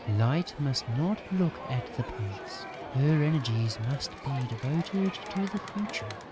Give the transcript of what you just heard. "Light must not look at the past. Her energies must be devoted to the future!"